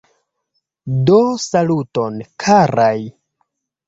Do saluton, karaj!